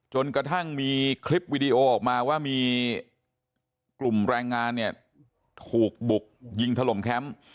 จนกระทั่งมีคลิปวิดีโอออกมาว่ามีกลุ่มแรงงานเนี่ยถูกบุกยิงถล่มแคมป์